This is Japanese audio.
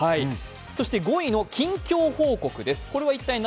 そして５位は近況報告です。